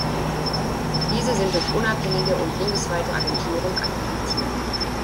Diese sind durch unabhängige und bundesweite Agenturen akkreditiert.